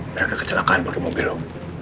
mereka kecelakaan pakai mobil